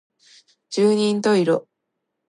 十人十色